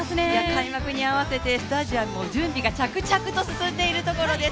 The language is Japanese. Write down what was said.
開幕に合わせてスタジアムは準備が着々と進んでいるというところです。